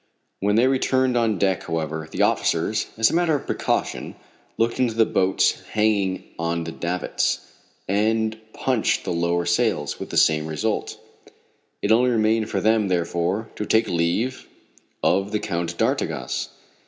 When they returned on deck, however, the officers, as a matter of precaution looked into the boats hanging on the davits, and punched the lowered sails, with the same result. It only remained for them, therefore, to take leave of the Count d'Artigas.